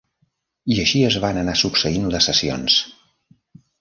I així es van anar succeint les sessions.